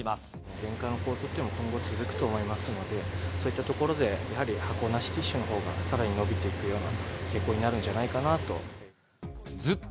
原価の高騰というのは、今後、続くと思いますので、そういったところで、やはり箱なしティッシュのほうが、さらに伸びていくような傾向になるんじゃないかなと。